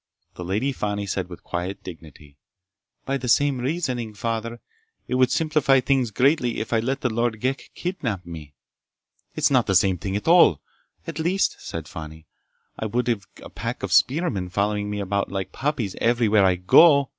The Lady Fani said with quiet dignity: "By the same reasoning, Father, it would simplify things greatly if I let the Lord Ghek kidnap me." "It's not the same thing at all—" "At least," said Fani, "I wouldn't have a pack of spearmen following me about like puppies everywhere I go!"